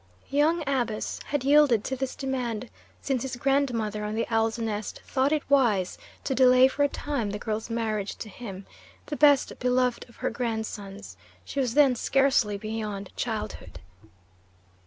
Young Abus had yielded to this demand, since his grandmother on the Owl's Nest thought it wise to delay for a time the girl's marriage to him, the best beloved of her grandsons; she was then scarcely beyond childhood.